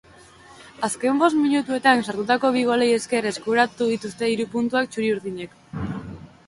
Azken bost minutuetan sartutako bi golei esker eskuratu dituzte hiru puntuak txuri-urdinek.